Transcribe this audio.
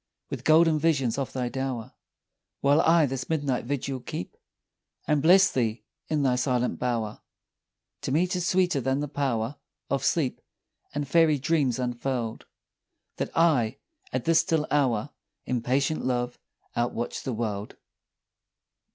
With golden visions of thy dower, While I this midnight vigil keep, And bless thee in thy silent bower; To me 'tis sweeter than the power Of sleep, and fairy dreams unfurl'd, That I alone, at this still hour, In patient love outwatch the world.